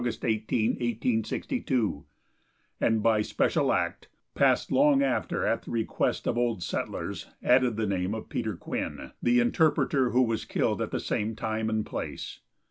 18, 1862, and, by special act, passed long after at the request of old settlers, added the name of Peter Quinn, the interpreter, who was killed at the same time and place.